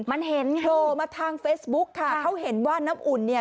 มันเห็นไงโผล่มาทางเฟซบุ๊คค่ะเขาเห็นว่าน้ำอุ่นเนี่ย